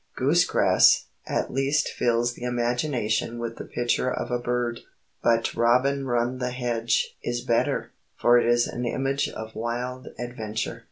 "Goose grass" at least fills the imagination with the picture of a bird. But "robin run the hedge" is better, for it is an image of wild adventure.